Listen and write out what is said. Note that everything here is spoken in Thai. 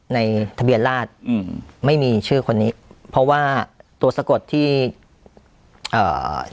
ในทะเบียนราชอืมไม่มีชื่อคนนี้เพราะว่าตัวสะกดที่เอ่อ